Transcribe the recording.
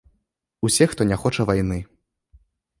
Усе, хто не хоча вайны.